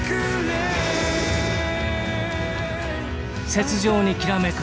雪上にきらめく